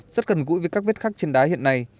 rất gần gũi với các vết khắc trên đá hiện nay